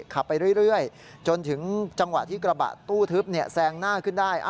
ขับไปเรื่อยจนถึงจังหวะที่กระบะตู้ทึบแซงหน้าขึ้นได้